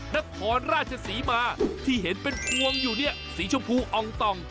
นครราชศรีมาที่เห็นเป็นพวงอยู่เนี่ยสีชมพูอ่องต่อง